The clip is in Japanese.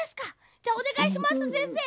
じゃあおねがいしますせんせい。